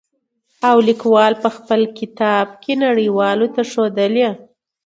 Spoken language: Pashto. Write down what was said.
او ليکوال په خپل کتاب کې نړۍ والو ته ښودلي.